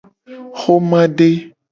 Xomade.